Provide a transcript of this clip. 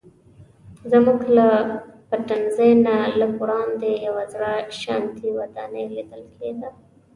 زموږ له پټنځي نه لږ وړاندې یوه زړه شانتې ودانۍ لیدل کیده.